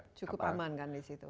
itu cukup aman kan di situ